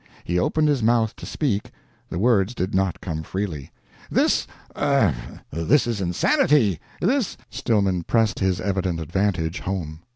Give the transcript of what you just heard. He opened his mouth to speak; the words did not come freely. "This er this is insanity this " Stillman pressed his evident advantage home.